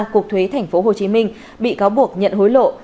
cục thuế tp hcm bị cáo buộc nhận hối lộ